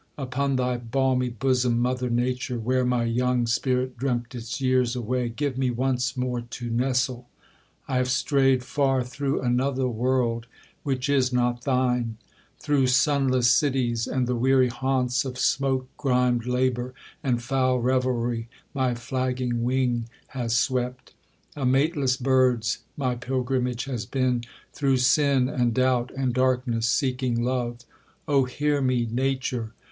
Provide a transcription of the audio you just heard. Upon thy balmy bosom, Mother Nature, Where my young spirit dreamt its years away, Give me once more to nestle: I have strayed Far through another world, which is not thine. Through sunless cities, and the weary haunts Of smoke grimed labour, and foul revelry My flagging wing has swept. A mateless bird's My pilgrimage has been; through sin, and doubt, And darkness, seeking love. Oh hear me, Nature!